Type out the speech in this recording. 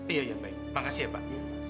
iya iya baik terima kasih ya pak